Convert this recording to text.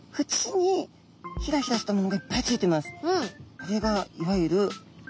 これがいわゆる触手。